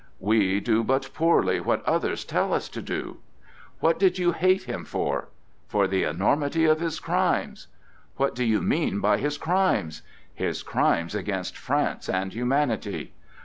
"We do but poorly what others tell us to do." "What did you hate him for?" "For the enormity of his crimes." "What do you mean by his crimes?" "His crimes against France and humanity."